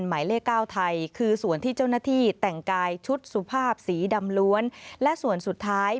หมายเลข๙ไทยคือส่วนที่เจ้าหน้าที่แต่งกายชุดสุภาพสีดำล้วนและส่วนสุดท้าย